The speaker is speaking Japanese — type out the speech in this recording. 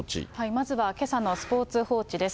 まずはけさのスポーツ報知です。